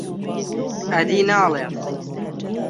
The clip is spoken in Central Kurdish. ئەدی ناڵێم